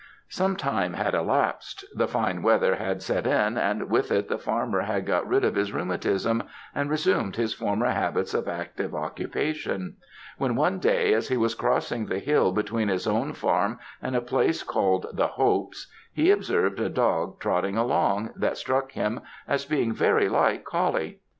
Some time had elapsed the fine weather had set in; and with it, the farmer had got rid of his rheumatism, and resumed his former habits of active occupation; when one day, as he was crossing the hill between his own farm and a place called 'The Hopes,' he observed a dog trotting along, that struck him as being very like Coullie.